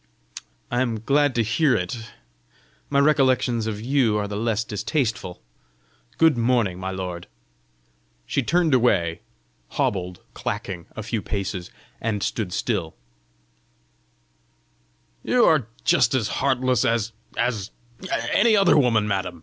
"I am glad to hear it: my recollections of you are the less distasteful! Good morning, my lord!" She turned away, hobbled, clacking, a few paces, and stood again. "You are just as heartless as as any other woman, madam!